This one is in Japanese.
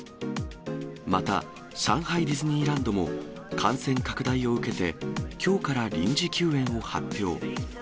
また、上海ディズニーランドも、感染拡大を受けて、きょうから臨時休園を発表。